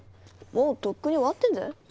もうとっくに終わってんぜ。